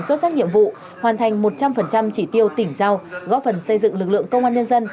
xuất sắc nhiệm vụ hoàn thành một trăm linh chỉ tiêu tỉnh giao góp phần xây dựng lực lượng công an nhân dân